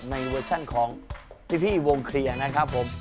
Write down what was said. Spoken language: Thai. เวอร์ชันของพี่วงเคลียร์นะครับผม